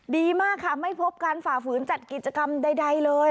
ดีมากค่ะไม่พบการฝ่าฝืนจัดกิจกรรมใดเลย